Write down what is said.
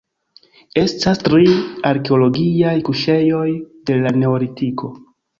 Estas tri arkeologiaj kuŝejoj de la Neolitiko.